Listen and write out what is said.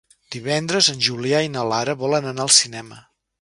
Divendres en Julià i na Lara volen anar al cinema.